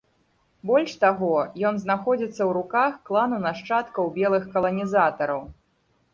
Больш таго, ён знаходзіцца ў руках клану нашчадкаў белых каланізатараў.